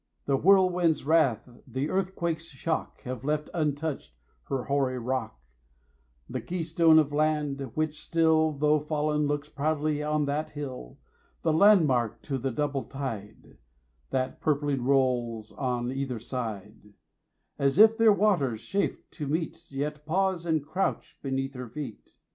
The whirlwind's wrath, the earthquake's shock, 5 Have left untouched her hoary rock, The keystone of a land, which still, Though fallen, looks proudly on that hill, The landmark to the double tide That purpling rolls on either side, 10 As if their waters chafed to meet, Yet pause and crouch beneath her feet.